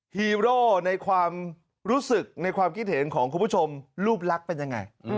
ฮีโร่ในความรู้สึกในความคิดเห็นของคุณผู้ชมรูปลักษณ์เป็นยังไง